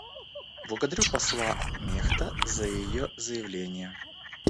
Благодарю посла Мехта за ее заявление.